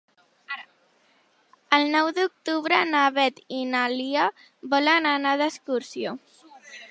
El nou d'octubre na Beth i na Lia volen anar d'excursió.